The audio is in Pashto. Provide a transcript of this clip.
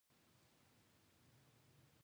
پامیر د افغان تاریخ په کتابونو کې ذکر شوی دی.